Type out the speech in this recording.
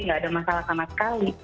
nggak ada masalah sama sekali